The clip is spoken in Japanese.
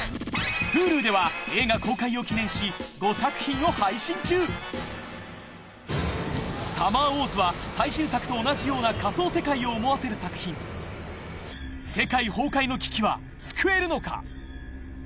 ・Ｈｕｌｕでは映画公開を記念し５作品を配信中『サマーウォーズ』は最新作と同じような仮想世界を思わせる作品世界崩壊の危機は救えるのか？